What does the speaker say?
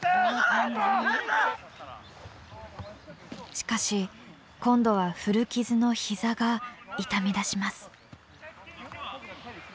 しかし今度は古傷の膝が痛みだします。